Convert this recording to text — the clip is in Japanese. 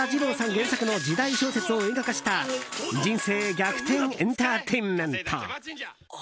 原作の時代小説を映画化した人生逆転エンターテインメント。